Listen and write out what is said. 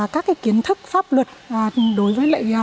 các kiến thức pháp luật đối với